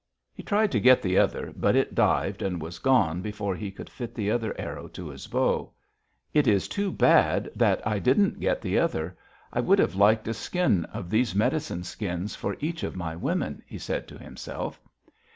He tried to get the other, but it dived and was gone before he could fit the other arrow to his bow: 'It is too bad that I didn't get the other. I would have liked a skin of these medicine skins for each of my women,' he said to himself.